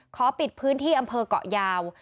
ขอปิดพื้นที่อำเภอกเกาะยาว